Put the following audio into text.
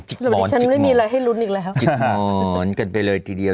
สวัสดีฉันไม่มีอะไรให้ลุ้นอีกแล้วค่ะหนุนกันไปเลยทีเดียว